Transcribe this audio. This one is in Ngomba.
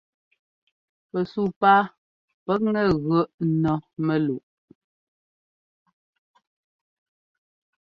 Pɛsuu páa pʉkŋɛ gʉ ɛ́nɔ́ mɛ́luʼ.